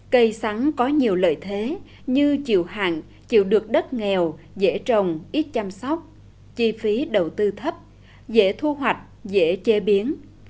cây sắn có nhiều lợi thế như chịu hạn chịu được đất nghèo dễ trồng ít chăm sóc chi phí đầu tư thấp dễ thu hoạch dễ chế biến